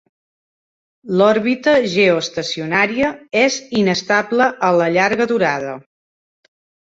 L'òrbita geoestacionària és inestable a la llarga durada.